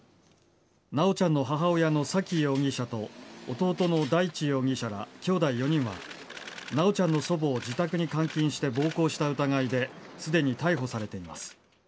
修ちゃんの母親の沙喜容疑者と弟の大地容疑者らきょうだい４人は修ちゃんの祖母を自宅に監禁して暴行した疑いですでに逮捕されています。